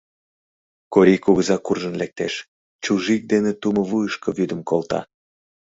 Корий кугыза куржын лектеш, чужик дене тумо вуйышко вӱдым колта.